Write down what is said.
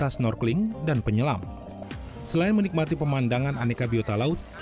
selain menikmati pemandangan aneka biota laut